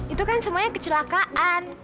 itu kan semuanya kecelakaan